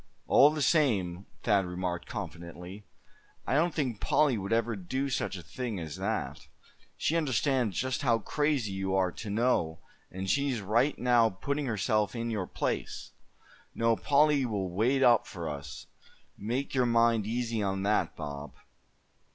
"All the same," Thad remarked, confidently, "I don't think Polly would ever do such a mean thing as that. She understands just how crazy you are to know, and she's right now putting herself in your place. No, Polly will wait up for us, make your mind easy on that, Bob.